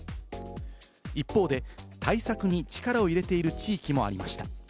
一方で、対策に力を入れている地域もありました。